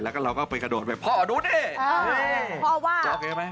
แล้วก็เราก็ไปกระโดดไปพ่อดูนี่เออพ่อว่าร้องเห็นไหม